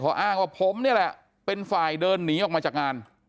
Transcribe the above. อ้างว่าผมนี่แหละเป็นฝ่ายเดินหนีออกมาจากงาน